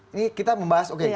ini kita membahas oke